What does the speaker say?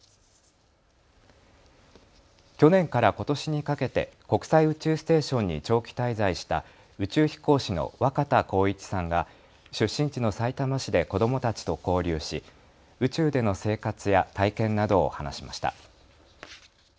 去年からことしにかけて国際宇宙ステーションに長期滞在した宇宙飛行士の若田光一さんが出身地のさいたま市で子どもたちと交流し宇宙での生活や体験などを話しました。